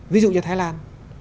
ví dụ như thái lan